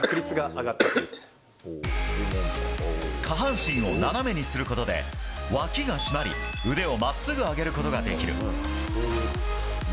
下半身を斜めにすることでわきが締まり腕を真っすぐ上げることができる。